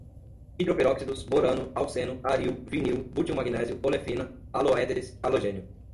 hidroperóxidos, borano, alceno, aril, vinil, butilmagnésio, olefina, haloéteres, halogênio